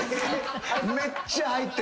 めっちゃ入ってるんだ。